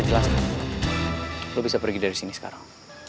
lo bisa pergi dari sini sekarang